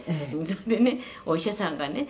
「それでねお医者さんがね